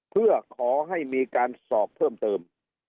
เพื่อขอให้มีการสอบเพิ่มเติม